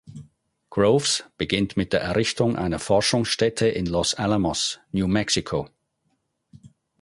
Groves beginnt mit der Errichtung einer Forschungsstätte in Los Alamos, New Mexico.